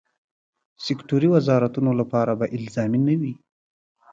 سکټوري وزارتونو لپاره به الزامي نه وي.